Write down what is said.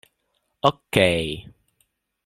Okej...